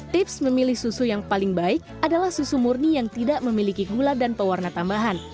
tips memilih susu yang paling baik adalah susu murni yang tidak memiliki gula dan pewarna tambahan